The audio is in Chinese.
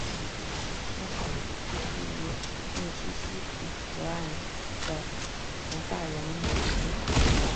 县名以居住于密西西比河沿岸的滕萨人命名。